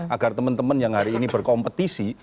agar teman teman yang hari ini berkompetisi